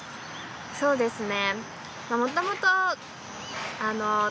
そうですね